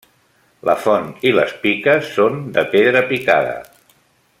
La font i les piques són de pedra picada.